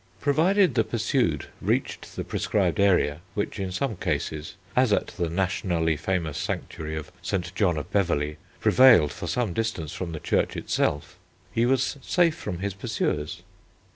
Provided the pursued reached the prescribed area, which, in some cases, as at the nationally famous sanctuary of St. John of Beverley, prevailed for some distance from the church itself, he was safe from his pursuers.